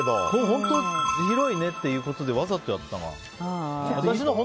本当に広いねってことでわざとやったのかな。